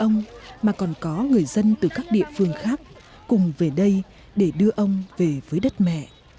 ông mà còn có người dân từ các địa phương khác cùng về đây để đưa ông về với đất mẹ